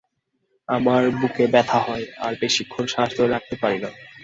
আমার বুকে ব্যথা হয় আর বেশিক্ষণ শ্বাস ধরে রাখতে পারি না।